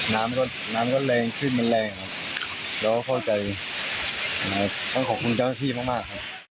น้ำก็น้ำก็แรงขึ้นมันแรงครับเราก็เข้าใจต้องขอบคุณเจ้าหน้าที่มากมากครับ